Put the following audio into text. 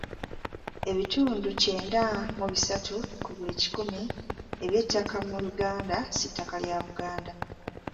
Ebitundu kyenda mu bisatu ku buli kikumi eby'ettaka mu Uganda si ttaka lya Buganda.